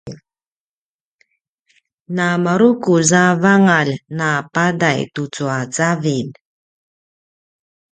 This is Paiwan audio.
na marukuz a vangalj na padai tucu a cavilj